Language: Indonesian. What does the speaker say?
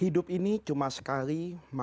hidup ini cuma sekali